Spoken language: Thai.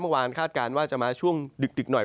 เมื่อวานคาดการว่าจะมาช่วงดึกหน่อย